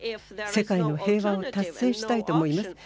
世界の平和を達成したいと思います。